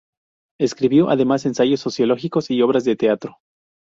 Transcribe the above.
Escribió además ensayos sociológicos y obras de teatro.